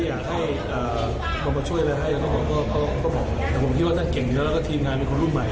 ถ้าอยากให้เอ่อมาช่วยอะไรให้ก็บอกแต่ผมคิดว่าถ้าเก่งเยอะแล้วก็ทีมงานมีคนรุ่นใหม่